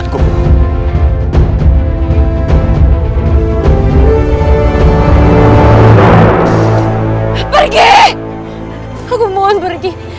saya ego remember